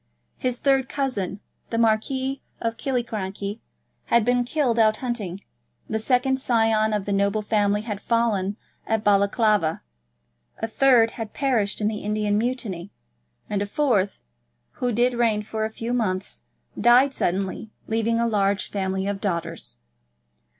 His third cousin, the Marquis of Killiecrankie, had been killed out hunting; the second scion of the noble family had fallen at Balaclava; a third had perished in the Indian Mutiny; and a fourth, who did reign for a few months, died suddenly, leaving a large family of daughters.